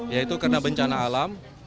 yaitu karena bencana alam